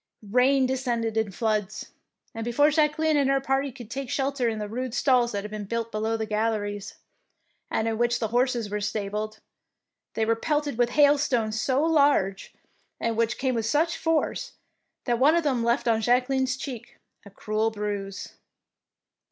Rain de scended in floods, and before Jacque line and her party could take shelter in the rude stalls that had been built below the galleries, and in which the horses were stabled, they were pelted with hailstones so large, and which came with such force, that one of them left on Jacqueline^s cheek a cruel bruise.